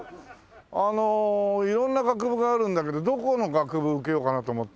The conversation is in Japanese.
あの色んな学部があるんだけどどこの学部を受けようかなと思って。